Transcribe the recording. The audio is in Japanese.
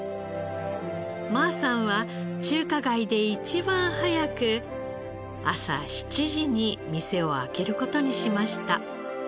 馬さんは中華街で一番早く朝７時に店を開ける事にしました。